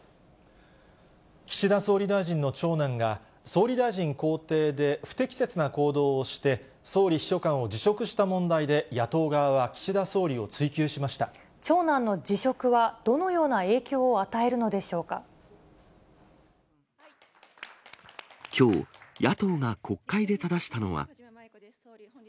岸田総理大臣の長男が、総理大臣公邸で不適切な行動をして、総理秘書官を辞職した問題で、長男の辞職はどのような影響きょう、野党が国会でただしたのは。